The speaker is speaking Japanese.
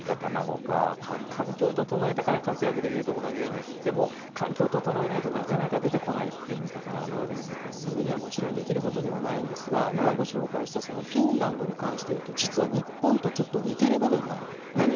環境を整えたから活躍できるとも限らないしでも、環境を整えないとなかなか出てこないすぐには、もちろんできることではないんですが今、紹介したフィンランドに関して言うと実は、日本とちょっと似ている部分がある。